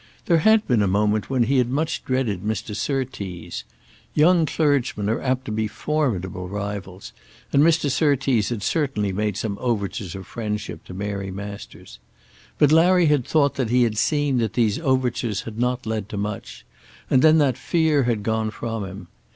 There had been a moment when he had much dreaded Mr. Surtees. Young clergymen are apt to be formidable rivals, and Mr. Surtees had certainly made some overtures of friendship to Mary Masters. But Larry had thought that he had seen that these overtures had not led to much, and then that fear had gone from him.